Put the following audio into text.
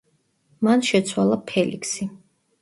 მან შეცვალა ფელიქსი.